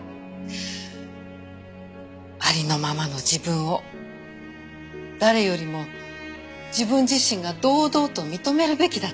ありのままの自分を誰よりも自分自身が堂々と認めるべきだったのよ。